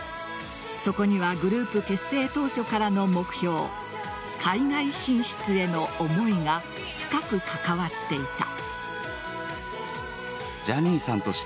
そこにはグループ結成当初からの目標海外進出への思いが深く関わっていた。